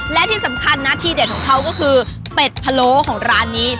และที่สำคัญนะที่เด็ดของเขาก็คือเป็ดพะโล้ของร้านนี้